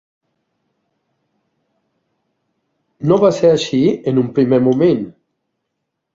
No va ser així en un primer moment.